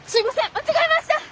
間違えました！